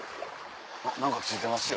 何かついてますよ。